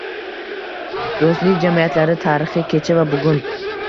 Do‘stlik jamiyatlari tarixi: kecha va bugun